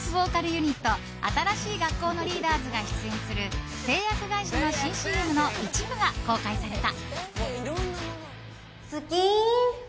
ユニット新しい学校のリーダーズが出演する製薬会社の新ＣＭの一部が公開された。